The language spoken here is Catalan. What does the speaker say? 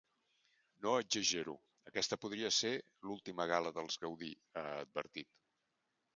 No exagero, aquesta podria ser l’última gala dels Gaudí, ha advertit.